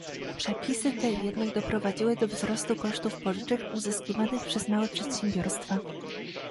Przepisy te jednak doprowadziły do wzrostu kosztów pożyczek uzyskiwanych przez małe przedsiębiorstwa